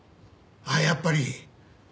あっやっぱり。